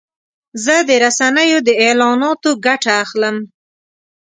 زه د رسنیو د اعلاناتو ګټه اخلم.